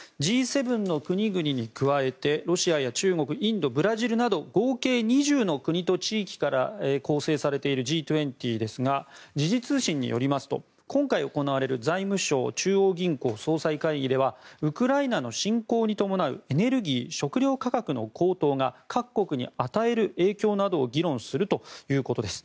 Ｇ７の国々に加えてロシアや中国インド、ブラジルなど合計２０の国と地域から構成されているＧ２０ですが時事通信によりますと今回、行われる財務相・中央銀行総裁会議ではウクライナの侵攻に伴うエネルギー、食糧価格の高騰が各国に与える影響などを議論するということです。